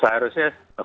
seharusnya vaksin apapun